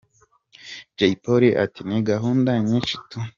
Jay Polly ati: “Ni gahunda nyinshi tu.